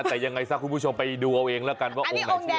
แต่ยังไงซะคุณผู้ชมไปดูเอาเองแล้วกันว่าองค์ไหนชื่ออะไร